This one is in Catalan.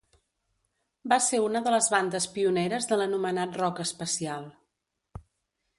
Va ser una de les bandes pioneres de l'anomenat rock espacial.